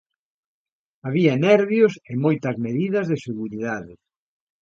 Había nervios e moitas medidas de seguridade.